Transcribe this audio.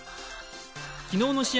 昨日の試合